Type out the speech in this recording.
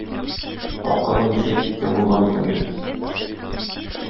Акылың мишәйт иткән булган икән бит!